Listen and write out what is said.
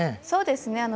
そうですね。